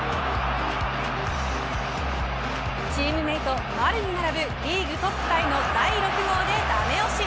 チームメート丸に並ぶリーグトップタイの第６号でダメ押し。